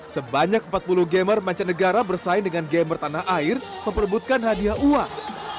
sebanyak empat puluh gamer mancanegara bersaing dengan gamer tanah air memperebutkan hadiah uang